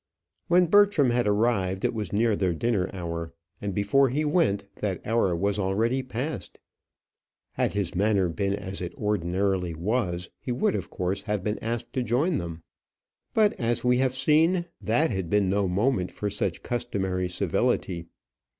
When Bertram had arrived it was near their dinner hour and before he went that hour was already passed. Had his manner been as it ordinarily was, he would of course have been asked to join them; but, as we have seen, that had been no moment for such customary civility.